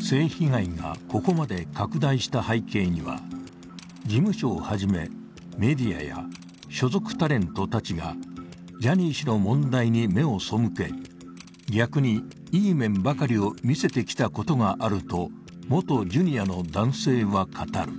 性被害がここまで拡大した背景には、事務所をはじめメディアや所属タレントたちがジャニー氏の問題に目を背け、逆に、いい面ばかりを見せてきたことがあると元Ｊｒ．の男性は語る。